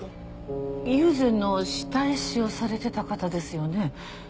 友禅の下絵師をされてた方ですよね？